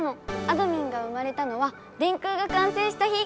あどミンが生まれたのは電空がかんせいした日！